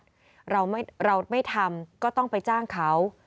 ประเทศชาติเราไม่เราไม่ทำก็ต้องไปจ้างเขา